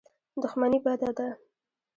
دښمني بده ده.